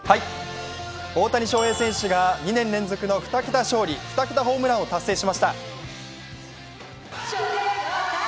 大谷翔平選手が２年連続の２桁勝利・２桁ホームランを達成しました。